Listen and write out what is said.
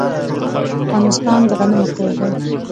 افغانستان د غنمو کور دی.